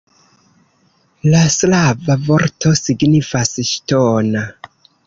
La slava vorto signifas ŝtona.